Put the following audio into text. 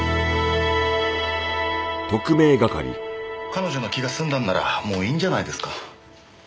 彼女の気が済んだのならもういいんじゃないですか。